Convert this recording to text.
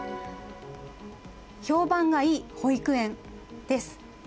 評判がいい保育園です。